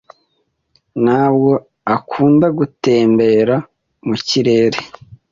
Ntabwo akunda gutembera mu kirere.